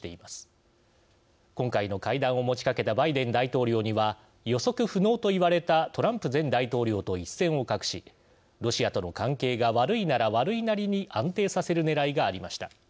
今回の会談を持ちかけたバイデン大統領には予測不能と言われたトランプ前大統領と一線を画しロシアとの関係が悪いなら悪いなりに安定させるねらいがありました。